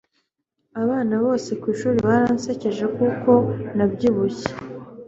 Abana bose kwishuri baransekeje kuko nabyibushye.